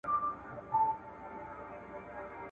د خوشال خان خټک پېژندنه